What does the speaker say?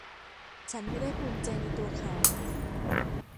ฉันไม่ได้ภูมิใจในตัวเขา